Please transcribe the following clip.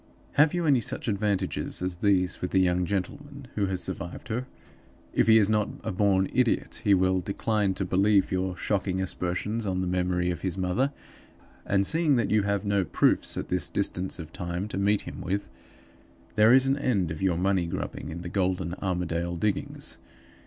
"Have you any such advantages as these with the young gentleman who has survived her? If he is not a born idiot he will decline to believe your shocking aspersions on the memory of his mother; and seeing that you have no proofs at this distance of time to meet him with there is an end of your money grubbing in the golden Armadale diggings.